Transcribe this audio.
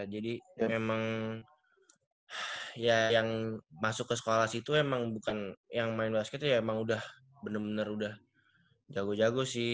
jadi emang ya yang masuk ke sekolah situ emang bukan yang main basket ya emang udah bener bener udah jago jago sih